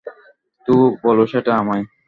তো, বলো সেটা আমায়।